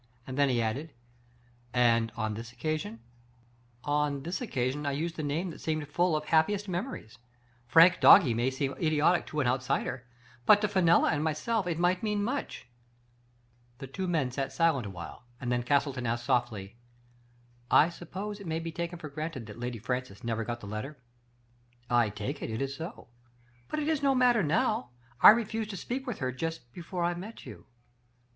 Then he added, "And on this occasion? "" On this occasion I used the name that seemed full of happiest memories. ' Frank Doggie ' may Digitized by Google I BHAM STOKER. I2I seem idiotic to an outsider, but to Fenella and myself it might mean much.'* The two men sat silent awhile, and then Castle ton asked softly :I suppose it may be taken for granted that Lady Francis never got the letter? *'" I take it, it is so ; but it is no matter now, I refused to speak with her just before I met you. I.